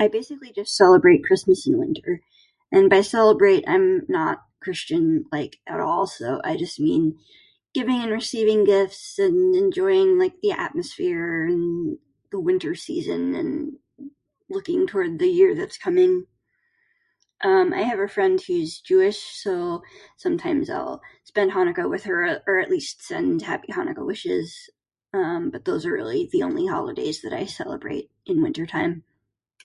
"I basically just celebrate Christmas in winter. And by ""celebrate"", I'm not Christian, like at all, so I just mean giving and receiving gifts and enjoying like the atmosphere and the winter season and looking toward the year that's coming. Um, I have a friend who's jewish so sometimes I'll spend Hanukkah with her or at least send happy Hanukkah wishes. Um, but those are really the only holidays that I celebrate in winter time."